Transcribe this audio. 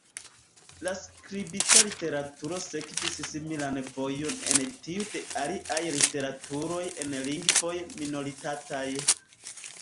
La skribita literaturo sekvis similan vojon al tiu de aliaj literaturoj en lingvoj minoritataj.